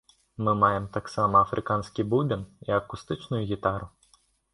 Мы маем таксама афрыканскі бубен і акустычную гітару.